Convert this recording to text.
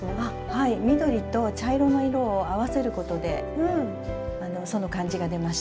はい緑と茶色の色を合わせることでその感じが出ました。